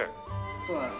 そうなんです。